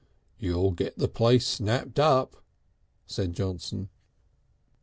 "You'll get the place snapped up," said Johnson.